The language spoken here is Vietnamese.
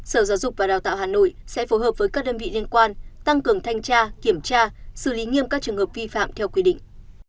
sở giáo dục và đào tạo hà nội sẽ phối hợp với các đơn vị liên quan tăng cường thanh tra kiểm tra xử lý nghiêm các trường hợp vi phạm theo quy định